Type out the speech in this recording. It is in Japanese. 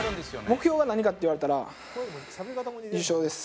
目標は何かって言われたら優勝です